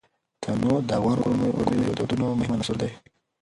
تنوع د افغان کورنیو د دودونو مهم عنصر دی.